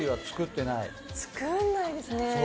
作んないですね。